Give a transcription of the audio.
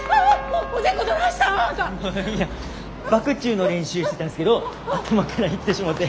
いやバク宙の練習してたんすけど頭から行ってしもて。